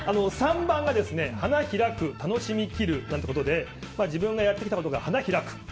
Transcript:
３番が花開く・楽しみ切るということで自分がやってきたことが花開く。